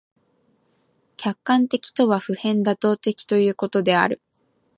客観的とは普遍妥当的ということである。